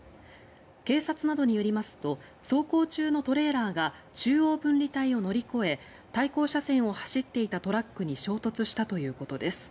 警察などによりますと走行中のトレーラーが中央分離帯を乗り越え対向車線を走っていたトラックに衝突したということです。